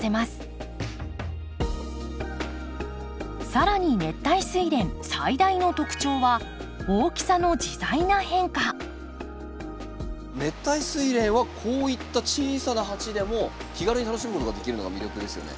更に熱帯スイレン最大の特徴は熱帯スイレンはこういった小さな鉢でも気軽に楽しむことができるのが魅力ですよね。